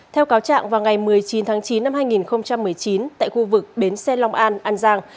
theo cáo trạng vào ngày một mươi chín tháng chín năm hai nghìn một mươi chín tại khu vực bến xe long an an giang